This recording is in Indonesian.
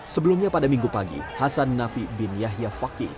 sebelumnya pada minggu pagi hasan nafi bin yahya fakih